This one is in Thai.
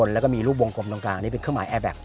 แล้วก็มีรูปวงกลมตรงกลางนี่เป็นเครื่องหมายแอร์แก๊ค